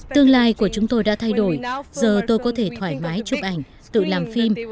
tương lai của chúng tôi đã thay đổi giờ tôi có thể thoải mái chụp ảnh tự làm phim